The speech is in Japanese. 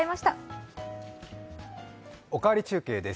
「おかわり中継」です。